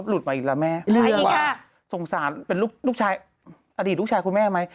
เปิดแล้ววันนี้ไปถ่ายละครมานี่